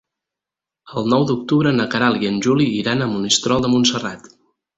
El nou d'octubre na Queralt i en Juli iran a Monistrol de Montserrat.